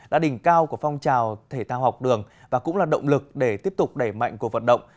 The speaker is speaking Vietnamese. đã đỉnh cao của phong trào thể thao học đường và cũng là động lực để tiếp tục đẩy mạnh cuộc vận động